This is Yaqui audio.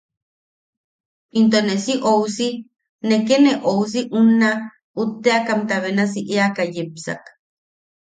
Into ne si ousi… ne ke ne ousi unna utte’akamta benasi eaka yepsak.